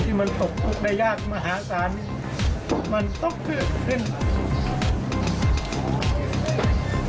ที่มันตกปลุกได้ยากมหาศาล